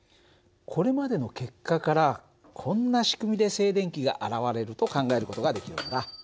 これまでの結果からこんな仕組みで静電気が現れると考える事ができるんだ。